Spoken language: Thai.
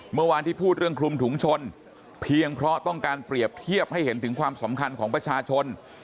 เมื่อวานที่พูดเรื่องคลุมถุงชนเพียงเพราะต้องการเปรียบเทียบให้เห็นถึงความสำคัญของประชาชน